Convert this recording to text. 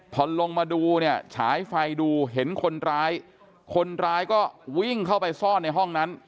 พอลงมาดูเนี่ยฉายไฟดูเห็นคนร้ายคนร้ายก็วิ่งเข้าไปซ่อนในห้องนั้น